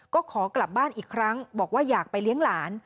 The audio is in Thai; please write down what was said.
ก็ขอกลับบ้านอีกครั้งบอกว่าอยากไปเลี้ยงหลาน